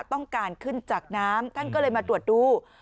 ต้องการขึ้นจากน้ำท่านก็เลยมาตรวจดู